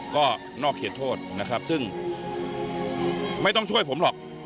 ก็นอกเขตโทษนะครับซึ่งไม่ต้องช่วยผมหรอก